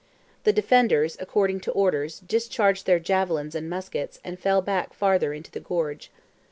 The defenders, according to orders, discharged their javelins and muskets, and fell back farther into the gorge.